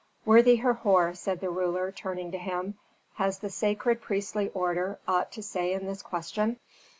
"Worthy Herhor," said the ruler, turning to him, "has the sacred priestly order aught to say in this question?"